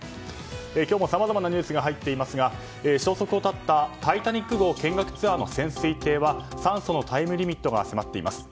今日もさまざまなニュースが入っていますが消息を絶った「タイタニック号」見学ツアーの潜水艇は酸素のタイムリミットが迫っています。